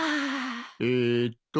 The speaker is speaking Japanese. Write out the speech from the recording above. えーっと。